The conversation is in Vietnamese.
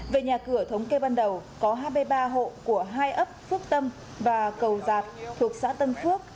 về nhà cửa thống kê ban đầu có hai mươi ba hộ của hai ấp phước tâm và cầu giạt thuộc xã tân phước